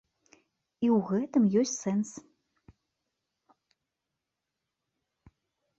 І ў гэтым ёсць сэнс.